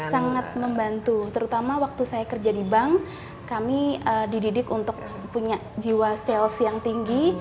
sangat membantu terutama waktu saya kerja di bank kami dididik untuk punya jiwa sales yang tinggi